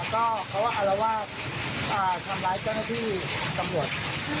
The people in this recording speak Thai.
ก็เขาอารวาสทำร้ายเจ้าหน้าที่ตำรวจ